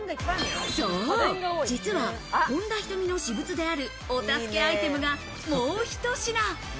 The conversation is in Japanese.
そう、実は本田仁美の私物である、お助けアイテムがもうひと品。